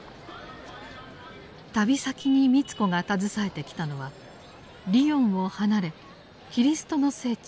旅先に美津子が携えてきたのはリヨンを離れキリストの聖地